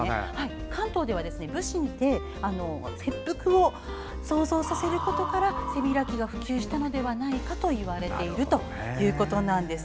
関東では武士の切腹を想像させることから背開きが普及したのではないかといわれているということです。